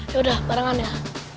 ya udah barengan ya